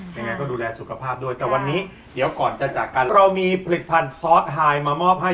ยังไงก็ดูแลสุขภาพด้วยแต่วันนี้เดี๋ยวก่อนจะจากกันเรามีผลิตภัณฑ์ซอสไฮมามอบให้